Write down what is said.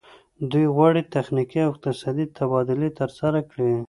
دوی غواړي تخنیکي او اقتصادي تبادلې ترسره کړي